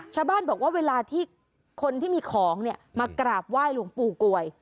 ชาวบ้านบอกว่าเวลาที่คนที่มีของเนี่ยมากราบไหว้หลวงปู่กวย